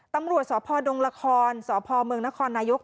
ตำรวจสพดงละครสพเมืองนครนายก